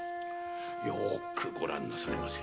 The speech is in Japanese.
よくご覧なさりませ。